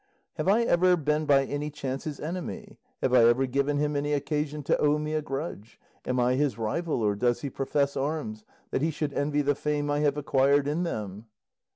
Have I ever been by any chance his enemy? Have I ever given him any occasion to owe me a grudge? Am I his rival, or does he profess arms, that he should envy the fame I have acquired in them?"